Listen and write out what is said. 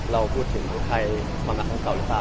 เราพูดถึงดูไทยความรักคำเก่าอย่างเปล่า